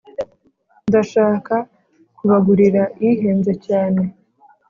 ndashaka kubagurira ihenze cyane